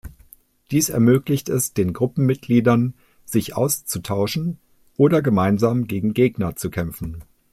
Dies ermöglicht es den Gruppenmitgliedern sich auszutauschen oder gemeinsam gegen Gegner zu kämpfen.